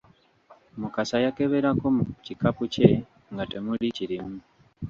Mukasa yakeberako mu kikapu kye nga temuli kirimu.